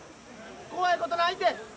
怖いことないて。